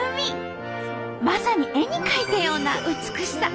まさに絵に描いたような美しさ。